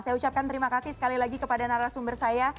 saya ucapkan terima kasih sekali lagi kepada narasumber saya